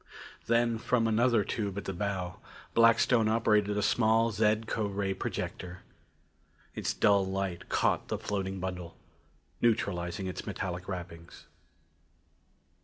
Then from another tube at the bow, Blackstone operated a small zed co ray projector. Its dull light caught the floating bundle, neutralizing its metallic wrappings.